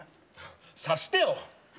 察してよ！